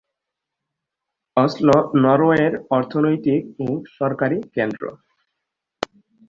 Oslo নরওয়ের অর্থনৈতিক ও সরকারি কেন্দ্র।